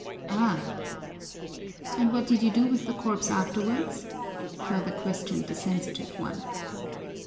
"Ah! And what did you do with the corpse afterwards?" further questioned the sensitive one.